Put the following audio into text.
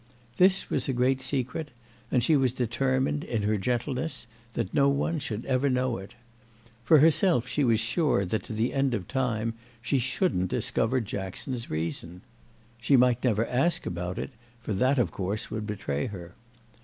This was a great secret, and she was determined, in her gentleness, that no one should ever know it. For herself, she was sure that to the end of time she shouldn't discover Jackson's reason. She might never ask about it, for that of course would betray her.